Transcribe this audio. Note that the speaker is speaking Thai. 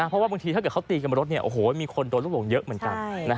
เพราะบางทีถ้าเกิดเขาตีกลับมารถโอ้โหมีคนโดนลงเยอะเหมือนกัน